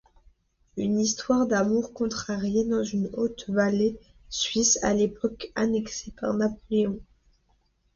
Une histoire d'amours contrariées dans une haute vallée suisse à l'époque annexée par Napoléon.